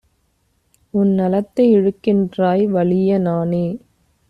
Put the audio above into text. உன்நலத்தை இழுக்கின்றாய்; வலிய நானே